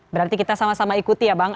berarti kita sama sama ikuti ya bang